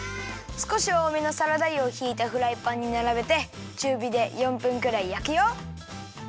すこしおおめのサラダ油をひいたフライパンにならべてちゅうびで４分くらいやくよ。